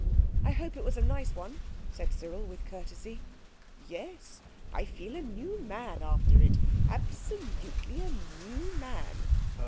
"I hope it was a nice one," said Cyril with courtesy. "Yes.... I feel a new man after it. Absolutely a new man."